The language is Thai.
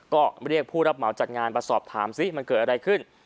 ก็เรียกผู้รับเหมาจัดงานมาสอบถามซิมันเกิดอะไรขึ้น